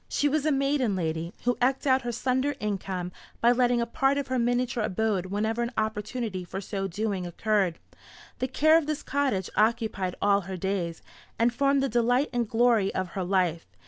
She was a maiden lady, who eked out her slender income by letting a part of her miniature abode whenever an opportunity for so doing occurred. The care of this cottage occupied all her days, and formed the delight and glory of her life.